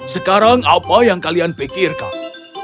sekarang apa yang kalian pikirkan